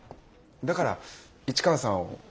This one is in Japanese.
だから市川さんを。